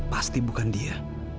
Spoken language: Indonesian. pasti bukan dia